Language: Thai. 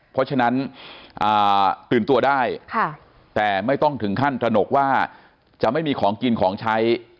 เพราะฉะนั้นตื่นตัวได้แต่ไม่ต้องถึงขั้นตระหนกว่าจะไม่มีของกินของใช้